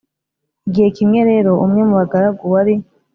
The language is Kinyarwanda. igihe kimwe rero umwe mu bagaragu wari